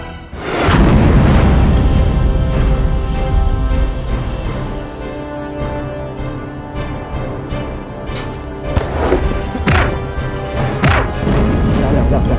udah udah udah